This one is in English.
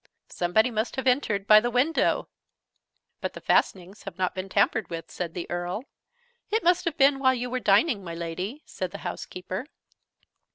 Somebody must have entered by the window " "But the fastenings have not been tampered with," said the Earl. "It must have been while you were dining, my Lady," said the housekeeper.